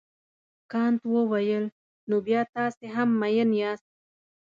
کانت وویل نو بیا تاسي هم مین یاست.